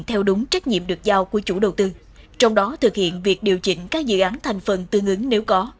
theo đúng trách nhiệm được giao của chủ đầu tư trong đó thực hiện việc điều chỉnh các dự án thành phần tương ứng nếu có